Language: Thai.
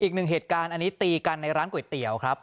อีกหนึ่งเหตุการณ์อันนี้ตีกันในร้านก๋วยเตี๋ยวครับ